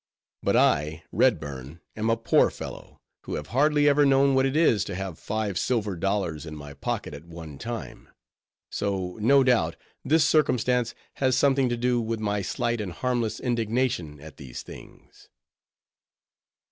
But, I, Redburn, am a poor fellow, who have hardly ever known what it is to have five silver dollars in my pocket at one time; so, no doubt, this circumstance has something to do with my slight and harmless indignation at these things.